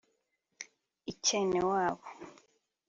icyenewabo